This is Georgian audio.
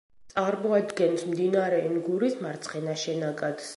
წარმოადგენს მდინარე ენგურის მარცხენა შენაკადს.